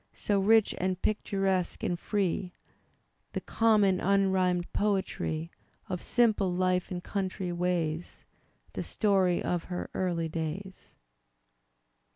So rich and picturesque and free, (The common unrhymed poetry Of simple life and country ways). The story of her early days.